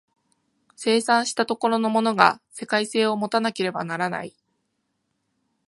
生産した所のものが世界性を有たなければならない。